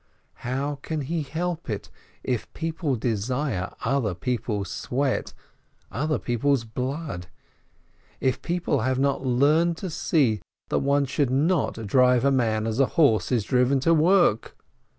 How can he help it, if people desire other people's sweat, other people's blood? if people have not learned to see that one should not drive a man as a horse is driven to work